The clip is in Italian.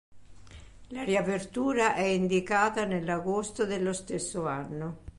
La riapertura è indicata nell'agosto dello stesso anno.